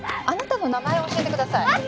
あなたの名前を教えてください